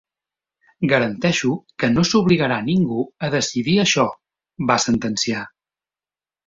Garanteixo que no s’obligarà ningú a decidir això, va sentenciar.